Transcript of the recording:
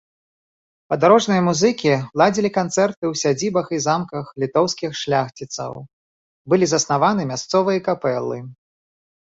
Падарожныя музыкі ладзілі канцэрты ў сядзібах і замках літоўскіх шляхціцаў, былі заснаваны мясцовыя капэлы.